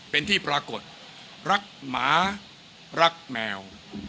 เป็นที่ปรากฏรักหมารักแมว